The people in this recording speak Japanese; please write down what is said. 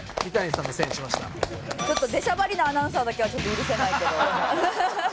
でしゃばりなアナウンサーだけはちょっと許せないけど。